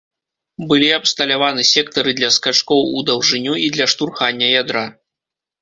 Былі абсталяваны сектары для скачкоў у даўжыню і для штурхання ядра.